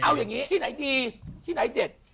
เอาอย่างนี้ที่ไหนดีที่ไหนเด็ด